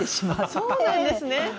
そうなんですね。